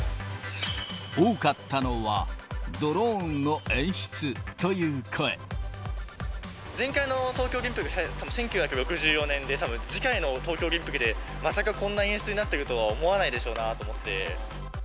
多かったのは、前回の東京オリンピックが１９６４年で、たぶん、次回の東京オリンピックで、まさかこんな演出になってるとは思わないでしょうなと思って。